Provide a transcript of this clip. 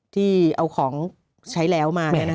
ที่เอาของใช้แล้วมา